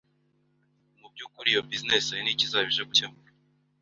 Mu by’ukuri iyo business yawe ni iki izaba ije gucyemura